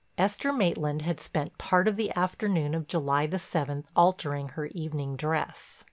Esther Maitland had spent part of the afternoon of July the seventh altering her evening dress.